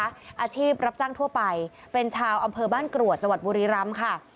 อาชีพรับจ้างทั่วไปเป็นชาวอำเภอบ้านกรวดจังหวัดบุรีรำค่ะ